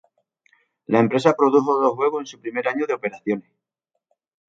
La empresa produjo dos juegos en su primer año de operaciones.